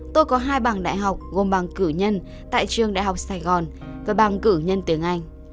tôi có hai bảng đại học gồm bảng cử nhân tại trường đại học sài gòn và bảng cử nhân tiếng anh